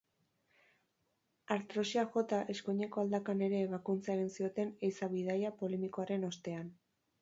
Artrosiak jota, eskuineko aldakan ere ebakuntza egin zioten ehiza-bidaia polemikoaren ostean.